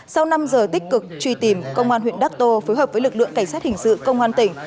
sau năm giờ tích cực truy tìm công an huyện đắc tô phối hợp với lực lượng cảnh sát hình sự công an tỉnh